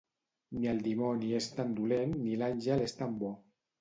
Ni el dimoni és tan dolent ni l'àngel és tan bo